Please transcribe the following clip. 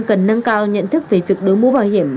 cần nâng cao nhận thức về việc đối mũ bảo hiểm